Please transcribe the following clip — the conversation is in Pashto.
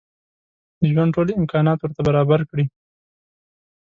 د ژوند ټول امکانات ورته برابر کړي.